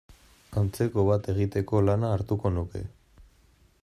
Antzeko bat egiteko lana hartuko nuke.